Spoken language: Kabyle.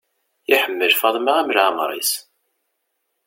Iḥemmel Faḍma am leɛmer-is.